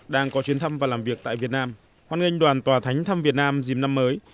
đang có chuyến thăm và làm việc tại việt nam hoan nghênh đoàn tòa thánh thăm việt nam dìm năm mới